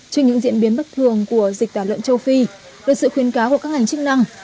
trên những diễn biến bất thường của dịch tả lợn châu phi được sự khuyến cáo của các ngành chức năng